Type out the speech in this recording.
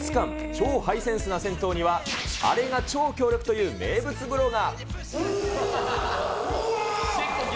超ハイセンスな銭湯には、あれが超強力という名物風呂が。